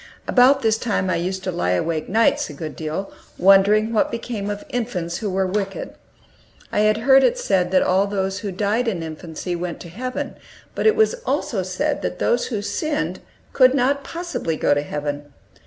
About this time I used to lie awake nights a good deal, wondering what became of infants who were wicked. I had heard it said that all who died in infancy went to heaven, but it was also said that those who sinned could not possibly go to heaven.